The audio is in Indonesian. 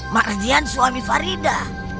mardian suami farida